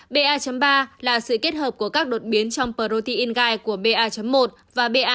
ba ba là sự kết hợp của các đột biến trong protein gai của ba một và ba